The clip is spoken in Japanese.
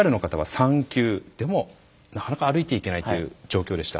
でもなかなか歩いていけないという状況でした。